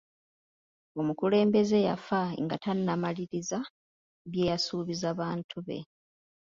Omukulembeze yafa nga tannamaliriza bye yasuubiza bantu be.